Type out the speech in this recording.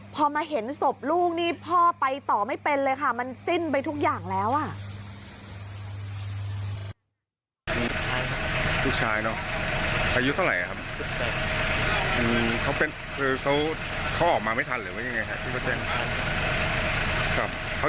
พอมาเห็นศพลูกนี่พ่อไปต่อไม่เป็นเลยค่ะมันสิ้นไปทุกอย่างแล้วอ่ะ